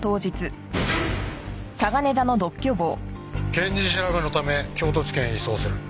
検事調べのため京都地検へ移送する。